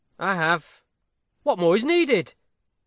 "I have." "What more is needed?"